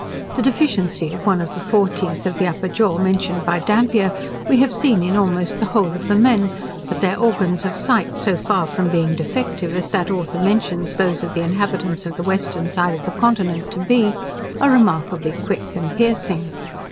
The deficiency of one of the fore teeth of the upper jaw, mentioned by Dampier, we have seen in almost the whole of the men; but their organs of sight so far from being defective, as that author mentions those of the inhabitants of the western side of the continent to be, are remarkably quick and piercing.